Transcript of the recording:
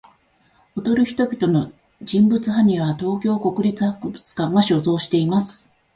踊る人々の人物埴輪は、東京国立博物館が所蔵しています。